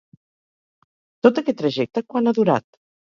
Tot aquest trajecte, quant ha durat?